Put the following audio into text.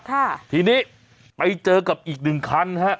ทีนี้ไปเจอกับอีกหนึ่งคัน